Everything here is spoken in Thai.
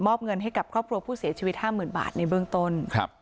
เงินให้กับครอบครัวผู้เสียชีวิต๕๐๐๐บาทในเบื้องต้น